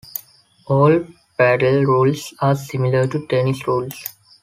All paddle rules are similar to tennis rules.